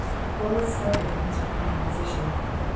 Wallace started from his reclining position.